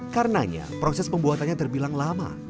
karenanya proses pembuatannya terbilang lama